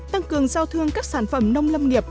tăng cường giao thương các sản phẩm nông lâm nghiệp